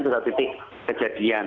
itu adalah titik kejadian